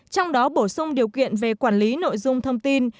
trong đó bổ sung điều kiện về quản lý nội dung thông tin